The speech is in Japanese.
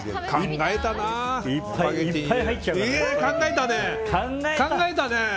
考えたね。